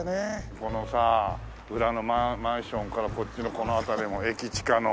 このさ裏のマンションからこっちのこの辺りも駅近の。